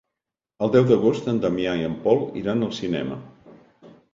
El deu d'agost en Damià i en Pol iran al cinema.